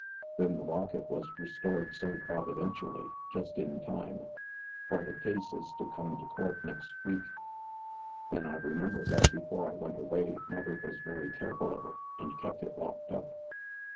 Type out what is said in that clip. Then the locket was restored so providentially, just in time; for the case is to come to court next week. Then I remember that before I went away mother was very careful of it, and kept it locked up."